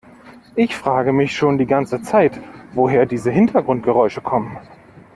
Ich frage mich schon die ganze Zeit, woher diese Hintergrundgeräusche kommen.